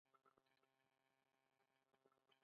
ایا زه باید دروازه خلاصه پریږدم؟